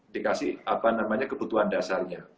dikasih kebutuhan dasarnya